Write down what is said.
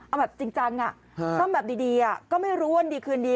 เอาแบบจริงจังอ่ะซ่อมแบบดีดีอ่ะก็ไม่รวนดีคืนดี